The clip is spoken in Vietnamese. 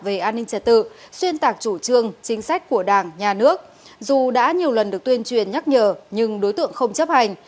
về an ninh trật tự xuyên tạc chủ trương chính sách của đảng nhà nước dù đã nhiều lần được tuyên truyền nhắc nhở nhưng đối tượng không chấp hành